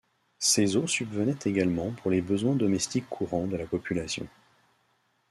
Ces eaux subvenaient également pour les besoins domestiques courants de la population.